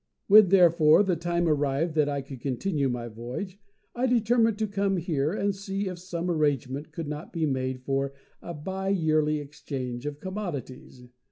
When, therefore, the time arrived that I could continue my voyage, I determined to come here and see if some arrangement could not be made for a bi yearly exchange of commodities.